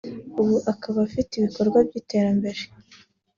ubu akaba afite ibikorwa by’iterambere